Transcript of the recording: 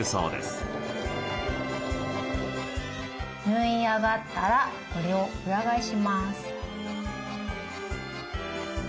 縫い上がったらこれを裏返します。